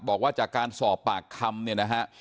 บอกว่าจากการสอบปากคำเนี่ยนะฮะ